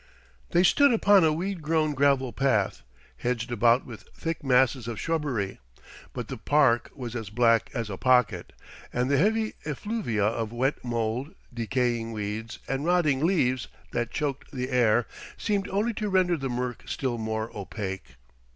They stood upon a weed grown gravel path, hedged about with thick masses of shrubbery; but the park was as black as a pocket; and the heavy effluvia of wet mould, decaying weeds and rotting leaves that choked the air, seemed only to render the murk still more opaque.